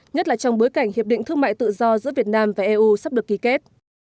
nhất là trong bối cảnh hiệp định thương mại tự do giữa việt nam và eu sắp được ký kết